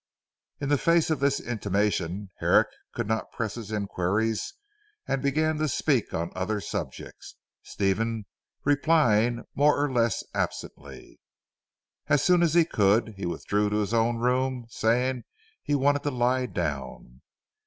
In the face of this intimation Herrick could not press his inquiries and began to speak on other subjects, Stephen replying more or less absently. As soon as he could he withdrew to his own room, saying he wanted to lie down.